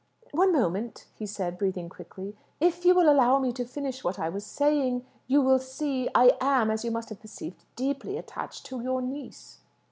"One moment," he said, breathing quickly. "If you will allow me to finish what I was saying, you will see I am, as you must have perceived, deeply attached to your niece."